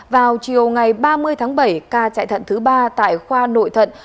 vào chiều ngày ba mươi tháng bảy ca chạy thận thứ ba tại khoa nội thận